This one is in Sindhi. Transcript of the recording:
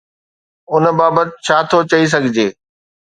ان بابت ڇا ٿو چئي سگهجي؟